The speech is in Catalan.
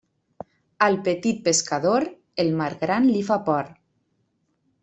Al petit pescador, el mar gran li fa por.